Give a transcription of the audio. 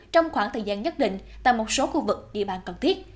trong khoảng thời gian nhất định tại một số khu vực địa bàn cần thiết